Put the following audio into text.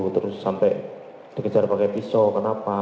terus sampai dikejar pakai pisau kenapa